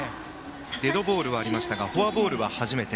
デッドボールはありましたがフォアボールは初めて。